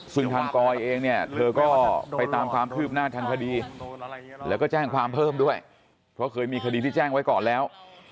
ซึ่งทางกอยเองเนี่ยเธอก็ไปตามความคืบหน้าทางคดีแล้วก็แจ้งความเพิ่มด้วยเพราะเคยมีคดีที่แจ้งไว้ก่อนแล้ว